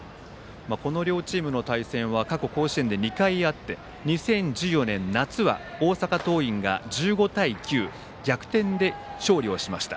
この両チームの対戦は過去、甲子園で２回あって、２０１４年の夏は大阪桐蔭が１５対９逆転で勝利をしました。